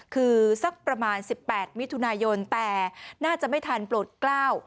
คือสักประมาณ๑๘มิถุนายนแต่น่าจะไม่ทันโปรดกล้าว